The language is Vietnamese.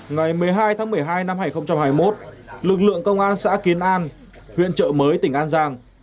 ngày một mươi hai tháng một mươi hai năm hai nghìn hai mươi một lực lượng công an xã kiến an huyện trợ mới tỉnh an giang